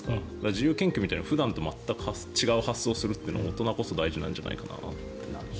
自由研究みたいな普段と全く違う発想をすることが大人こそ大事なんじゃないかなって。